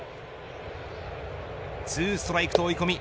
２ストライクと追い込み